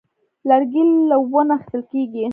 لرګی له ونو اخیستل کېږي.